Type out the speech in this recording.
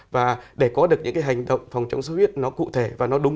và để có được những cái hành động phòng chống sốt huyết nó cụ thể và nó đúng